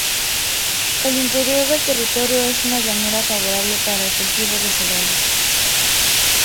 El interior del territorio es una llanura favorable para el cultivo de cereales.